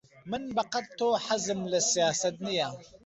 من بەقەد تۆ حەزم لە سیاسەت نییە.